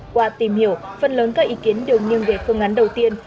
qua tìm hiểu phần lớn các ý kiến đều nghiêng về phương án đầu tiên